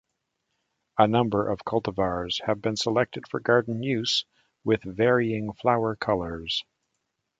A number of cultivars have been selected for garden use, with varying flower colors.